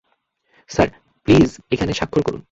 Sir, please এখানে স্বাক্ষর করুন।